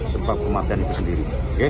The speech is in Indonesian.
sebab kematian itu sendiri